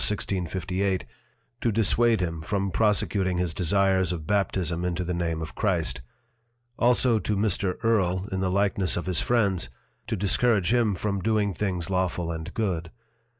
1658._ to disswade him from prosecuting his desires of Baptism into the Name of Christ: Also to Mr. Earle in the likeness of his Friends, to discourage him from doing things lawful and good.